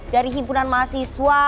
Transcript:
dari himpunan mahasiswa